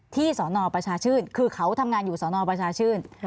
สนประชาชื่นคือเขาทำงานอยู่สนประชาชื่น